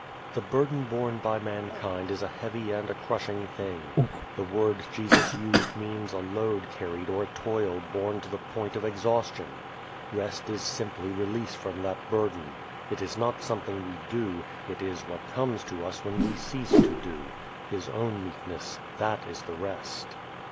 The burden borne by mankind is a heavy and a crushing thing. The word Jesus used means a load carried or toil borne to the point of exhaustion. Rest is simply release from that burden. It is not something we do, it is what comes to us when we cease to do. His own meekness, that is the rest.